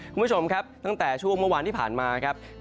คุณผู้ชมครับตั้งแต่ช่วงเมื่อวานที่ผ่านมาครับ